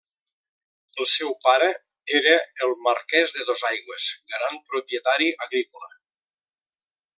El seu pare era el marquès de Dosaigües, gran propietari agrícola.